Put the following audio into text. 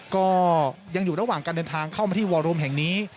ก็ยังอยู่ระหว่างการเดินทางเข้ามาที่วอรูมแห่งนี้